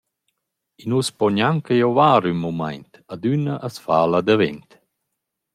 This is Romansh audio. I nu’s po gnanca giovar ün mumaint, adüna as fa’la davent.